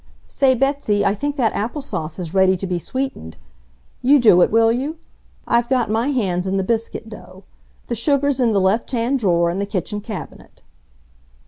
Say, Betsy, I think that apple sauce is ready to be sweetened. You do it, will you? I've got my hands in the biscuit dough. The sugar's in the left hand drawer in the kitchen cabinet."